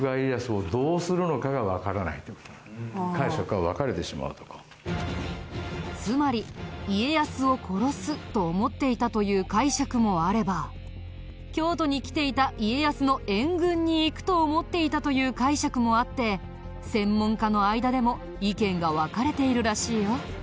これがつまり家康を殺すと思っていたという解釈もあれば京都に来ていた家康の援軍に行くと思っていたという解釈もあって専門家の間でも意見が分かれているらしいよ。